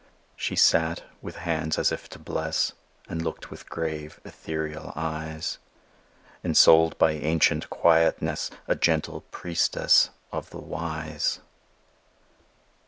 She sat with hands as if to bless, And looked with grave, ethereal eyes; Ensouled by ancient quietness, A gentle priestess of the Wise.